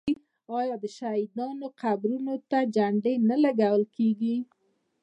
آیا د شهیدانو قبرونو ته جنډې نه لګول کیږي؟